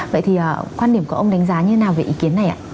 vậy thì quan điểm của ông đánh giá như thế nào về ý kiến này ạ